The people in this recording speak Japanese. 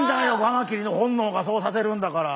カマキリの本能がそうさせるんだから！